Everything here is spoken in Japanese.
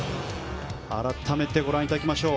改めてご覧いただきましょう。